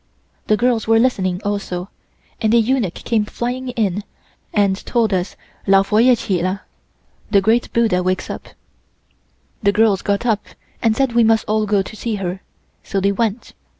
The girls were listening also and a eunuch came flying in and told us Lao Fo Yeh chin la (The Great Buddha wakes up). The girls got up and said we must all go to see her, so they went.